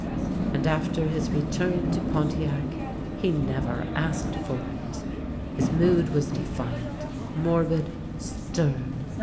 And after his return to Pontiac he never asked for it. His mood was defiant, morbid, stern.